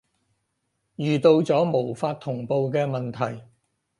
遇到咗無法同步嘅問題